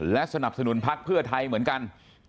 และสนับสนุนพักเพื่อไทยเหมือนกัน